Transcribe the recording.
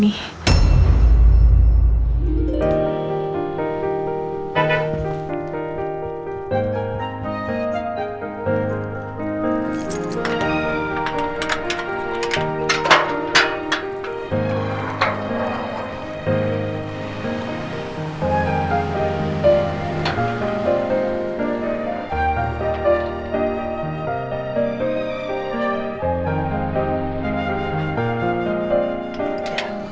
dia kok bisa damai better